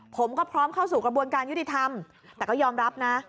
ผมก็พร้อมเข้าสู่กระบวนการยุติธรรมแต่ก็ยอมรับนะ